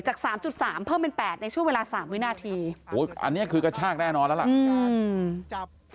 จาก๓๓เพิ่มเป็น๘ในช่วงเวลา๓วินาทีอันนี้คือกระชากแน่นอนแล้วล่ะ